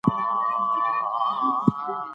ځوانانو ته يې لارښوونه کوله.